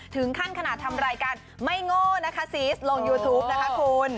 ถึงขั้นขนาดทำรายการไม่โง่นะคะซีสลงยูทูปนะคะคุณ